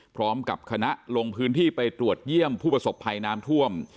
พร้อมกับคณะลงพื้นที่ไปตรวจเยี่ยมผู้ประสบภัยน้ำท่วม